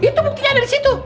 itu buktinya ada disitu